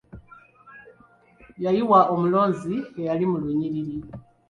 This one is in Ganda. Yayiwa omulonzi eyali mu lunyiriri.